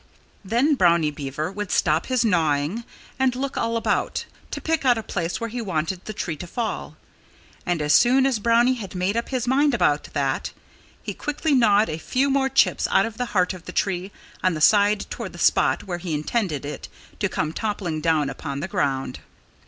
Then Brownie Beaver would stop his gnawing and look all about, to pick out a place where he wanted the tree to fall. And as soon as Brownie had made up his mind about that, he quickly gnawed a few more chips out of the heart of the tree on the side toward the spot where he intended it to come toppling down upon the ground.